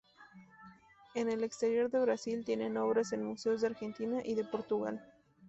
En el exterior de Brasil, tiene obras en museos de Argentina y de Portugal.